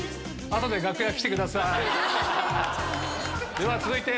では続いて